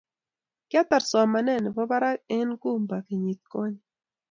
kiatar somanet nebo barak eng' Nkumba kenyit konye.